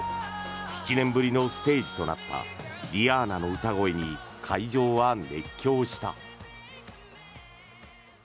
７年ぶりのステージとなったリアーナの歌声に会場は熱狂した。